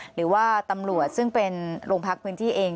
หรือว่าตำรวจซึ่งเป็นโรงพักพื้นที่เอง